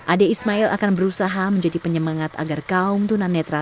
ade ismail akan berusaha menjadi penyemangat agar kaum tunanetra